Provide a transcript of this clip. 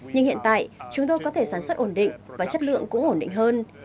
nhưng hiện tại chúng tôi có thể sản xuất ổn định và chất lượng cũng ổn định hơn